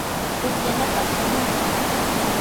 pukllanapaq shamunki.